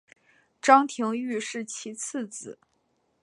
张廷玉是其次子。